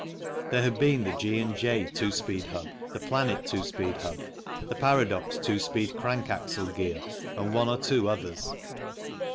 There had been the G. and J. two speed hub, the Planet two speed hub, the Paradox two speed crank axle gear, and one or two others.